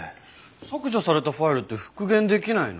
削除されたファイルって復元できないの？